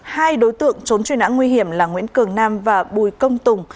hai đối tượng trốn truy nã nguy hiểm là nguyễn cường nam và bùi công tùng